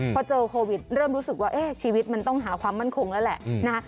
พอเจอโควิดเริ่มรู้สึกว่าชีวิตมันต้องหาความมั่นคงแล้วแหละนะคะ